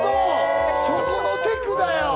そこのテクだよ。